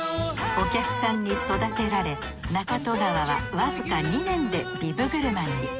お客さんに育てられ中戸川はわずか２年でビブグルマンに。